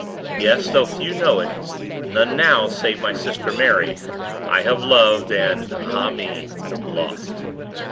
Yes, though few know it, none now save my sister Mary, I have loved and, ah! me lost.